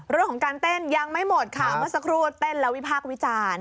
เรื่องของการเต้นยังไม่หมดค่ะเมื่อสักครู่เต้นแล้ววิพากษ์วิจารณ์